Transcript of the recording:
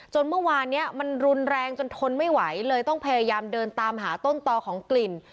เมื่อวานนี้มันรุนแรงจนทนไม่ไหวเลยต้องพยายามเดินตามหาต้นตอของกลิ่น